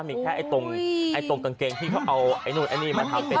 มีแค่ไอ้ตรงไอ้ตรงกางเกงที่เขาเอาไอ้นู่นไอ้นี่มาทำเป็น